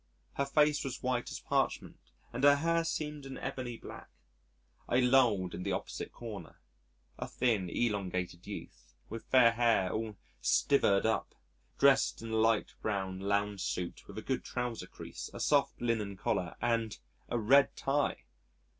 Her face was white as parchment and her hair seemed an ebony black. I lolled in the opposite corner, a thin, elongated youth, with fair hair all stivvered up, dressed in a light brown lounge suit with a good trouser crease, a soft linen collar and a red tie!